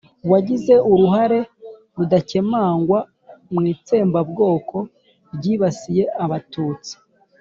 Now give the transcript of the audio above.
wagize uruhare rudakemangwa mu itsembabwoko ryibasiye abatutsi